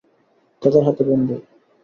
তাদের হাতে বন্দুক!